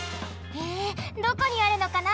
へえどこにあるのかな？